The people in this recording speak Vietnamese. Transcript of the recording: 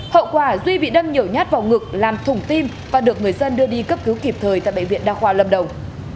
hậu quả duy bị đâm nhiều nhát vào ngực làm thủng tim và được người dân đưa đi cấp cứu kịp thời tại bệnh viện đa khoa lâm đồng